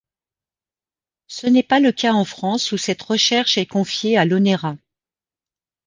Ce n'est pas le cas en France où cette recherche est confiée à l'Onera.